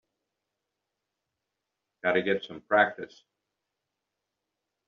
Got to get some practice.